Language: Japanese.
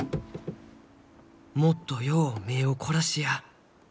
もっとよう目を凝らしや。